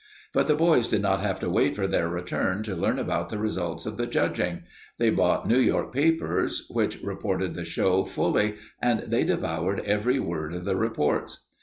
But the boys did not have to wait for their return to learn about the results of the judging. They bought New York papers which reported the show fully, and they devoured every word of the reports.